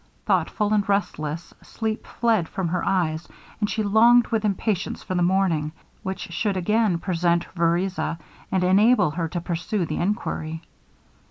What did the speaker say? Thoughtful and restless, sleep fled from her eyes, and she longed with impatience for the morning, which should again present Vereza, and enable her to pursue the enquiry.